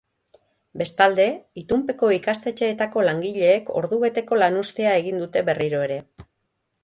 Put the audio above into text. Bestalde, itunpeko ikastetxeetako langileek ordubeteko lanuztea egin dute berriro ere.